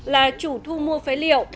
là chủ thu mua phế liệu